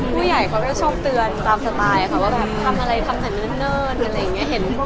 ก็ผู้ใหญ่เขาก็ช่องเตือนตามสไตล์ค่ะว่าแบบทำอะไรทำแต่เนิ่น